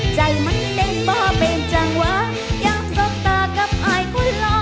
ใจมันเป็นบ่าเป็นจังหวะอยากสอบตากับไอ้คุณหล่อ